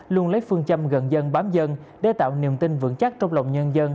luôn lấy phương châm gần dân bám dân để tạo niềm tin vững chắc trong lòng nhân dân